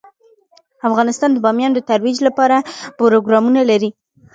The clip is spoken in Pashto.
افغانستان د بامیان د ترویج لپاره پروګرامونه لري.